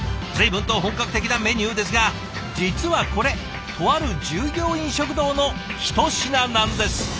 随分と本格的なメニューですが実はこれとある従業員食堂のひと品なんです。